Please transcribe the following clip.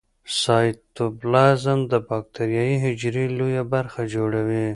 سایتوپلازم د باکتریايي حجرې لویه برخه جوړوي.